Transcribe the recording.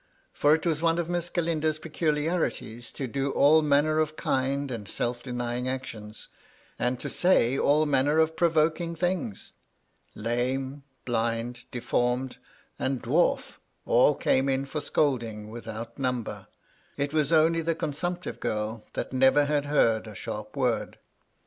For it was one of Miss Galindo's peculiarities to do all manner of kind and self denying actions, and to say all manner of pro voking things. Lame, blind, deformed, and dwarf, all came in for scoldings without number: it was only the consumptive girl that never had heard a sharp word.